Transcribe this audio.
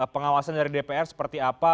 pengawasan dari dpr seperti apa